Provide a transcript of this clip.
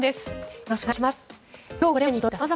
よろしくお願いします。